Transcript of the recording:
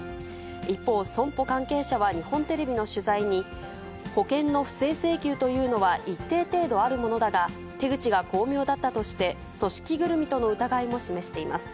一方、損保関係者は日本テレビの取材に、保険の不正請求というのは一定程度あるものだが、手口が巧妙だったとして、組織ぐるみとの疑いも示しています。